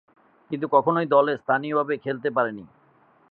কিন্তু, কখনোই দলে স্থায়ীভাবে খেলতে পারেননি।